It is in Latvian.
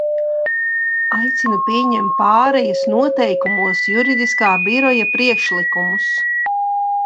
Aicinu pieņemt pārejas noteikumos Juridiskā biroja priekšlikumus.